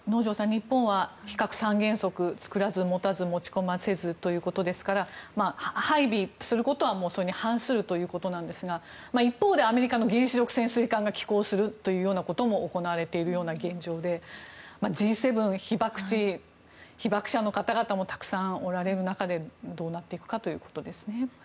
日本は非核三原則作らず、持たず、持ち込ませずということですから配備することはそれに反することですが一方でアメリカの原子力潜水艦が寄港することも行われているような現状でＧ７、被爆地、被爆者の方々もたくさんおられる中でどうなっていくかということですね。